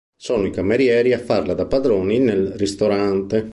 Sono i camerieri a farla da padroni nel ristorante.